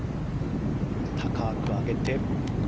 高く上げて。